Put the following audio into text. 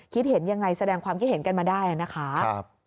คิดเห็นยังไงแสดงความคิดเห็นกันมาได้นะคะ